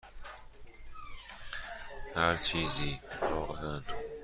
هر چیزی، واقعا.